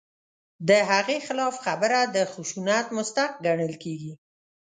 د هغې خلاف خبره د خشونت مستحق ګڼل کېږي.